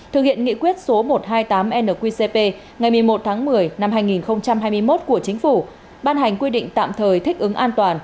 thực hiện nghị quyết số một trăm hai mươi tám nqcp ngày một mươi một tháng một mươi năm hai nghìn hai mươi một của chính phủ ban hành quy định tạm thời thích ứng an toàn